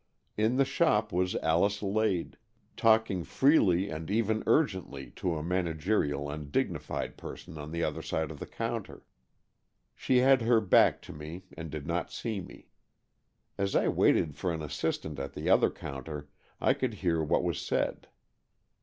In the shop was Alice Lade, talking freely and even urgently to a managerial and dignified person on the other side of the counter. She had her back to me and did AN EXCHANGE OF SOULS 131 not see me. As I waited for an assistant at the other counter, I could hear what was said.